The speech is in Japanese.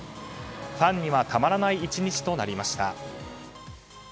ファンにはたまらない１日となりました。